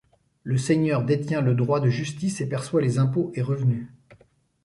Le seigneur détient le droit de justice et perçoit les impôts et revenus.